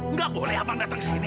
nggak boleh abang datang ke sini